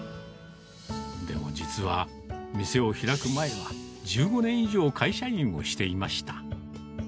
でも実は、店を開く前は、１５年以上会社員をしていました。